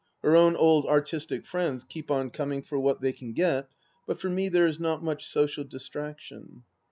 Her own old artistic friends keep on coming for what they can get, but for me there is not much social distraction.